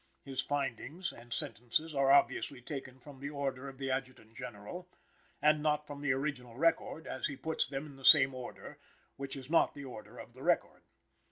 His findings and sentences are obviously taken from the order of the Adjutant General, and not from the original record, as he puts them in the same order, which is not the order of the record.